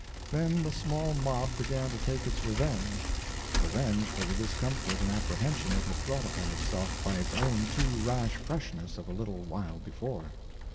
Then the small mob began to take its revenge—revenge for the discomfort and apprehension it had brought upon itself by its own too rash freshness of a little while before.